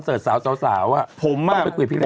เซิร์ชสาวอะต้องไปคุยพี่แม่